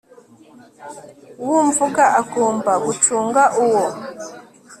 w umwuga agomba gucunga uwo